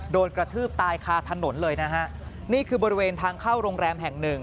กระทืบตายคาถนนเลยนะฮะนี่คือบริเวณทางเข้าโรงแรมแห่งหนึ่ง